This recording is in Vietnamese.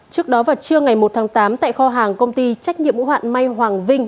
trước đó vào trưa ngày một tháng tám tại kho hàng công ty trách nhiệm hoạn may hoàng vinh